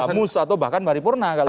atau kamus atau bahkan baripurna kalau tidak